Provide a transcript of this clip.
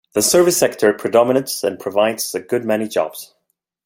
The service sector predominates and provides a good many jobs.